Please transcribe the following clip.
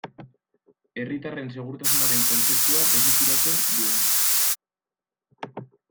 Herritarren segurtasunaren kontzeptua desitxuratzen duen.